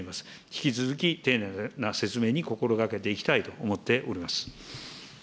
引き続き丁寧な説明に心がけていきたいと思っております。